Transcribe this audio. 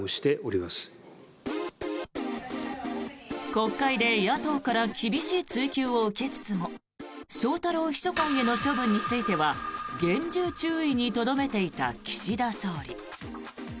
国会で野党から厳しい追及を受けつつも翔太郎秘書官への処分については厳重注意にとどめていた岸田総理。